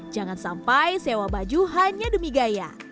jangan sampai sewa baju hanya demi gaya